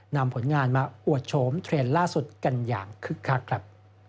นำผลงานมาอวดโฉมเทรนด์ล่าสุดกันอย่างคึกคักครับ